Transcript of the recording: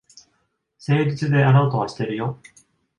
誠実であろうとはしてるよ。